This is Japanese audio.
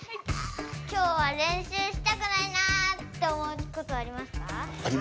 今日は練習したくないなって思うことはありますか？